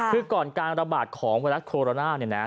คือก่อนการระบาดของวิรัติโคโรนา